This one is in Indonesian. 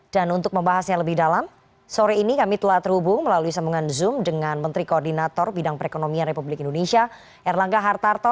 dan untuk membahasnya lebih dalam sore ini kami telah terhubung melalui sambungan zoom dengan menteri koordinator bidang perekonomian republik indonesia erlangga hartarto